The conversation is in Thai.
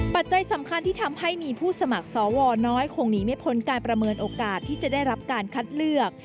ปัจจัยสำคัญที่ทำให้มีผู้สมัครสวน้อยคงหนีไม่พ้นการประเมินโอกาสที่จะได้รับการคัดเลือก